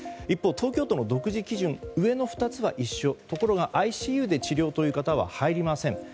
一方、東京都の独自基準上の２つは一緒ところがＩＣＵで治療という方は入りません。